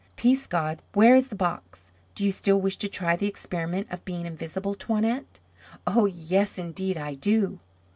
Peascod, where is the box? Do you still wish to try the experiment of being invisible, Toinette?" "Oh, yes indeed I do."